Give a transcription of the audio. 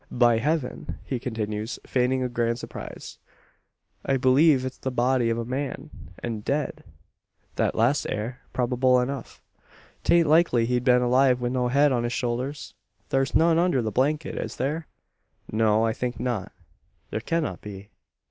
By heaven!" he continues, feigning a grand surprise, "I believe it's the body of a man; and dead!" "Thet last air probibble enuf. 'Tain't likely he'd be alive wi' no head on his shoulders. Thar's none under the blanket, is thar?" "No; I think not. There cannot be?"